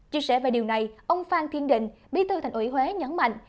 chia sẻ về điều này ông phan thiên định mỹ tư thành ủy huế nhấn mạnh